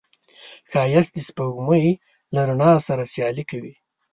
ښایست د سپوږمۍ له رڼا سره سیالي کوي